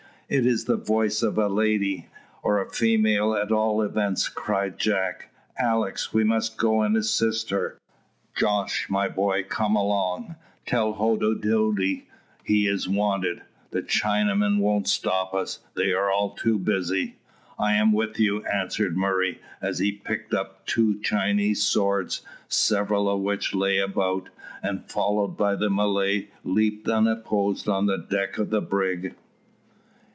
"It is the voice of a lady, or a female at all events," cried Jack. "Alick, we must go and assist her. Jos, my boy, come along. Tell Hoddidoddi he is wanted. The Chinamen won't stop us, they are all too busy." "I am with you," answered Murray, as they picked up two Chinese swords, several of which lay about, and, followed by the Malay, leaped unopposed on the deck of the brig.